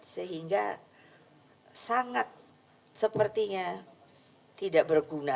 sehingga sangat sepertinya tidak berguna